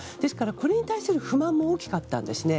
これに対する不満も大きかったんですね。